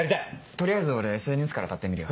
取りあえず俺ＳＮＳから当たってみるよ。